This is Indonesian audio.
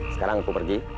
sekarang aku pergi